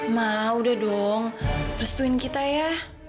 mah udah dong restuin kita ya